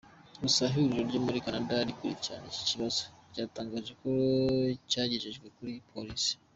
Gusa ihuriro ryo muri Canada rikurikirana iki kibazo ryatangaje ko cyagejejwe kuri Polisi.